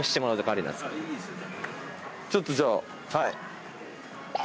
ちょっとじゃあ。